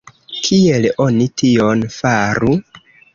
Kiel oni tion faru?